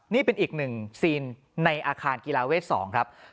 นี่เป็นอีกหนึ่งซีนในอาคารกีฬาเวท๒ครับ